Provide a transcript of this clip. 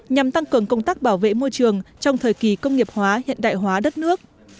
nhằm tăng cường công tác bảo vệ môi trường trong thời kỳ công nghiệp hóa hiện đại hóa đất nước